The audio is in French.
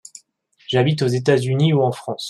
J’habite aux États-Unis ou en France.